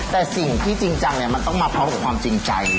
แต่สิ่งที่จริงจังเนี่ยมันต้องมาพร้อมกับความจริงใจ